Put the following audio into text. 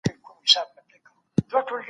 د پاملرنې او دقت درس.